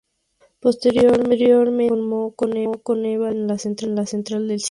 Posteriormente se formó con Eva Lesmes en La central de cine.